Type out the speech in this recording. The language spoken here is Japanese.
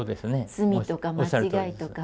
罪とか間違いとか。